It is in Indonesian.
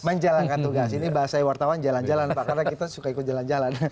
menjalankan tugas ini bahasa iwartawan jalan jalan pak karena kita suka ikut jalan jalan